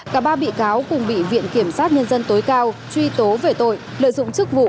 cả ba bị cáo cùng bị viện kiểm sát nhân dân tối cao truy tố về tội lợi dụng chức vụ